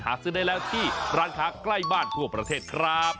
ซื้อได้แล้วที่ร้านค้าใกล้บ้านทั่วประเทศครับ